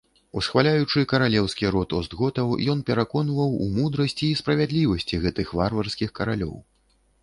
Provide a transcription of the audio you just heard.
Усхваляючы каралеўскі род остготаў, ён пераконваў у мудрасці, справядлівасці гэтых варварскіх каралёў.